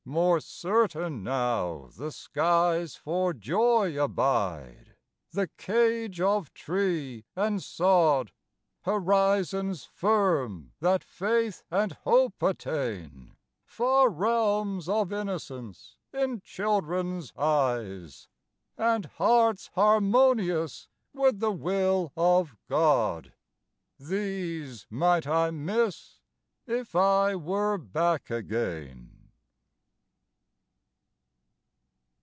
More certain now the skies For joy abide: the cage of tree and sod, Horizons firm that faith and hope attain, Far realms of innocence in children's eyes, And hearts harmonious with the will of God: These might I miss if I were back again.